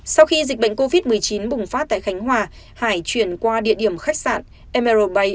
sau khi dịch bệnh covid một mươi chín bùng phát tại khánh hòa hải chuyển qua địa điểm khách sạn mry